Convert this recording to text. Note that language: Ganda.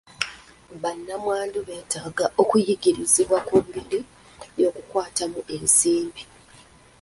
Bannamwandu beetaaga okuyigirizibwa ku ngeri y'okukwatamu ensimbi.